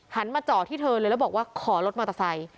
มาเจาะที่เธอเลยแล้วบอกว่าขอรถมอเตอร์ไซค์